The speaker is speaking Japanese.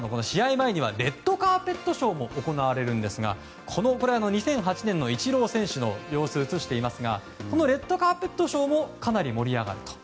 前にはレッドカーペットショーも行われるんですが２００８年のイチロー選手の様子を映していますがこのレッドカーペットショーもかなり盛り上がると。